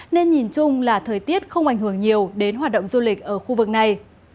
nên nhìn chung là thời tiết không ảnh hưởng nhiều đến hoạt động du lịch ở khu vực này